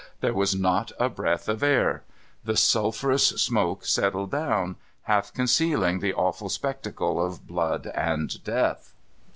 There was not a breath of air. The sulphurous smoke settled down, half concealing the awful spectacle of blood and death.